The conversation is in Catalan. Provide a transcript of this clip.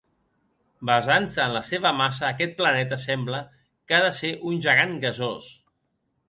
Basant-se en la seva massa aquest planeta sembla que ha de ser un gegant gasós.